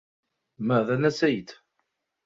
ماذا نسيت؟